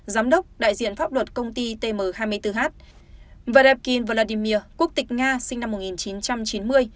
giám đốc đại diện pháp luật công ty tm hai mươi bốn h verabin vladimir quốc tịch nga sinh năm một nghìn chín trăm chín mươi